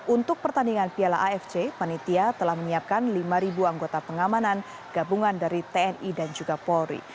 untuk pertandingan piala afc panitia telah menyiapkan lima anggota pengamanan gabungan dari tni dan juga polri